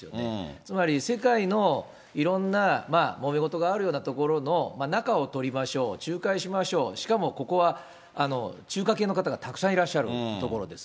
つまり世界のいろんなもめ事があるようなところの仲を取りましょう、仲介しましょう、しかもここは中華系の方がたくさんいらっしゃる所です。